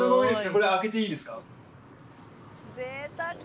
これ開けていいですか？